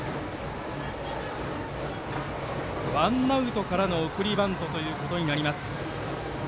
ワンアウトからの送りバントということになります。